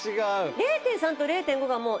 ０．３と０．５がもうえっ？